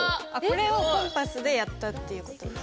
これをコンパスでやったっていうことですか？